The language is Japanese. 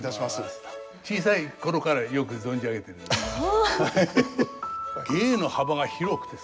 小さい頃からよく存じ上げてるんで。